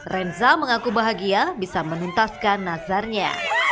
renza mengaku bahagia bisa menuntaskan nazarnya